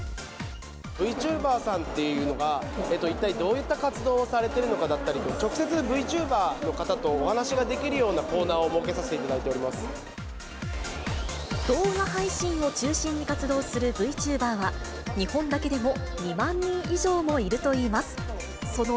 Ｖチューバーさんというのが、一体どういった活動をされているのかだったり、直接Ｖチューバーの方とお話ができるようなコーナーを設けさせて動画配信を中心に活動するＶチューバーは、日本だけでも２万人以上もいるといいます。